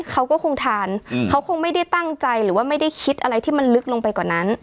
เขาก็คงทานเขาคงไม่ได้ตั้งใจหรือว่าไม่ได้คิดอะไรที่มันลึกลงไปกว่านั้น